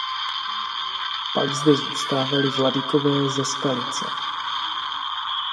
Pak zde zůstávali vladykové ze Skalice.